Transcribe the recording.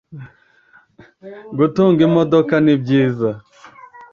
gutunga imodomoka ni byiza